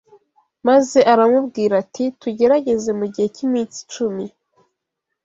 maze aramubwira ati tugerageze mu gihe cy’iminsi icumi